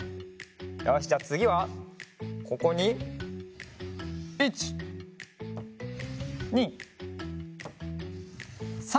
よしじゃあつぎはここに１２３！